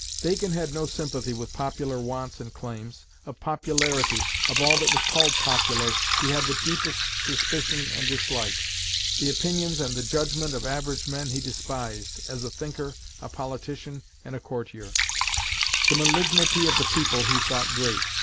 Bacon had no sympathy with popular wants and claims; of popularity, of all that was called popular, he had the deepest suspicion and dislike; the opinions and the judgment of average men he despised, as a thinker, a politician, and a courtier; the "malignity of the people" he thought great.